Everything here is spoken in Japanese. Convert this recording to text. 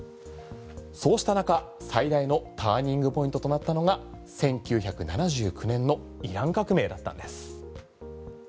そうした中最大のターニングポイントとなったのが１９７９年のイラン革命だったんです。